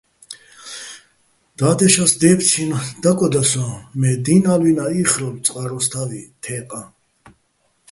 და́დეშას დეფცინო̆ დაკოდა სოჼ, მე დი́ნ ა́ლვინა́ იხრალო̆ წყაროსთა́ვი თე́ყაჼ.